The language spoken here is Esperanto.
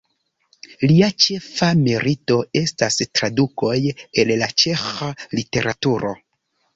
Lia ĉefa merito estas tradukoj el la ĉeĥa literaturo.